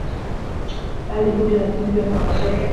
hali ikoje lakini pia kuangalia katika